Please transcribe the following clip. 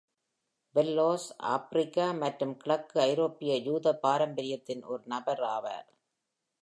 Bellows ஆப்பிரிக்க மற்றும் கிழக்கு ஐரோப்பிய யூத பாரம்பரியத்தின் ஒரு நபர் ஆவார்.